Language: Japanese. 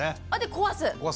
壊す。